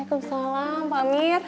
eh waalaikumsalam pak amir